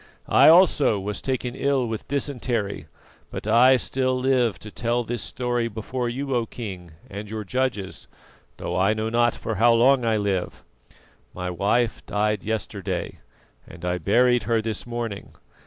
I also was taken ill with dysentery, but I still live to tell this story before you, O King, and your judges, though I know not for how long I live. My wife died yesterday, and I buried her this morning.